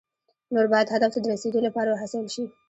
نور باید هدف ته د رسیدو لپاره وهڅول شي.